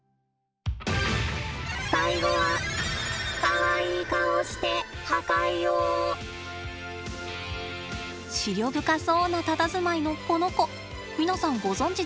最後はかわいい顔して思慮深そうなたたずまいのこの子皆さんご存じですか？